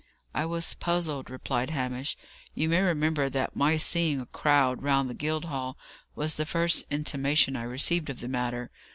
"I was puzzled," replied Hamish. "You may remember that my seeing a crowd round the Guildhall, was the first intimation I received of the matter.